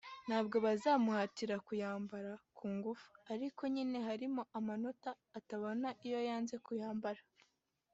ntabwo bazamuhatira kuyambara ku ngufu ariko nyine hari amanota atabona iyo yanze kuyambara